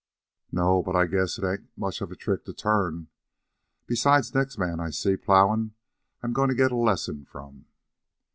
"No; but I guess it ain't much of a trick to turn. Besides, next man I see plowing I'm goin' to get a lesson from."